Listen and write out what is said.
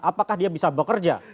apakah dia bisa bekerja